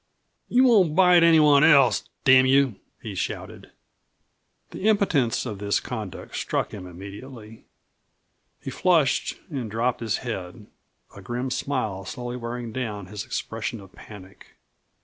"You won't bite any one else, damn you!" he shouted. The impotence of this conduct struck him immediately. He flushed and drooped his head, a grim smile slowly wearing down his expression of panic.